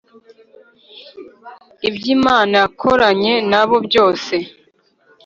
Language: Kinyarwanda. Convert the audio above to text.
Ibyo imana yakoranye na bo byose